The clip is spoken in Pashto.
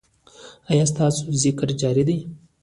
ایا ستاسو ذکر جاری دی؟